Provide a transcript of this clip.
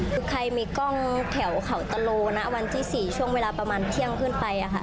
คือใครมีกล้องแถวเขาตะโลนะวันที่๔ช่วงเวลาประมาณเที่ยงขึ้นไปค่ะ